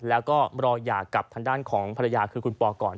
แล้วก็รอหย่ากับทางด้านของภรรยาคือคุณปอก่อน